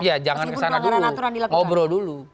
ya jangan kesana dulu ngobrol dulu